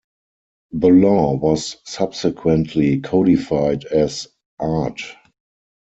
The law was subsequently codified as Art.